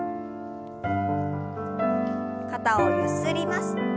肩をゆすります。